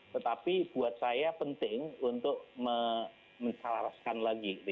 tetapi buat saya penting untuk mencalaraskan lagi